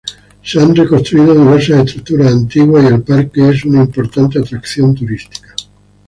Se han reconstruido diversas estructuras antiguas y el parque es una importante atracción turística.